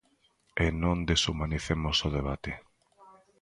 E non deshumanicemos o debate.